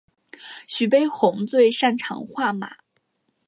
徐悲鸿最擅长画马。